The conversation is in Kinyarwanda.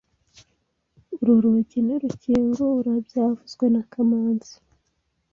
Uru rugi ntirukingura byavuzwe na kamanzi